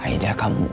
aida kamu gak boleh